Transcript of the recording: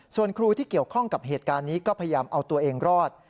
ส่วนครูที่เกี่ยวข้องกับเหตุการณ์นี้ก็พยายามเอาตัวเองรอด